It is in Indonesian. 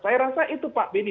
saya rasa itu pak beni